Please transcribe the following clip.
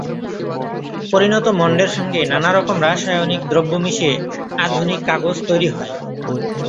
পরিণত মণ্ডের সঙ্গে নানা রকম রাসায়নিক দ্রব্য মিশিয়ে আধুনিক কাগজ তৈরি হয়।